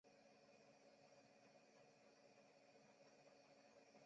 下半场西切罗将对方的传中挡进自家球门。